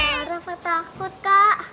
kenapa takut kak